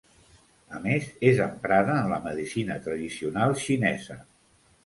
A més, és emprada en la medicina tradicional xinesa.